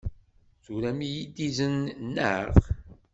Turam-iyi-d izen, naɣ?